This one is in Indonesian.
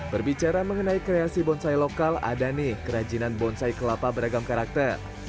berbicara mengenai kreasi bonsai lokal ada nih kerajinan bonsai kelapa beragam karakter